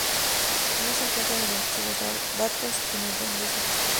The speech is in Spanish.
No se encuentran en los archivos datos que nos den luz al respecto.